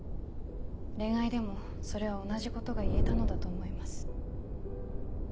恋愛でもそれは同じことが言えたのだと思います。